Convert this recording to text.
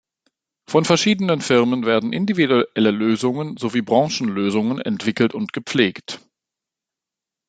Von verschiedenen Firmen werden individuelle Lösungen sowie Branchenlösungen entwickelt und gepflegt.